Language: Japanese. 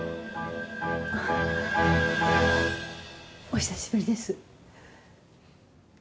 お久しぶりです。